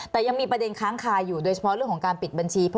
แต่ยังมีประเด็นค้างคาอยู่โดยเฉพาะเรื่องของการปิดบัญชี